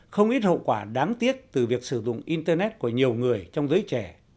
không ít hậu quả đáng tiếc từ việc sử dụng internet của nhiều người trong giới trẻ